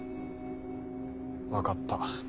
分かった。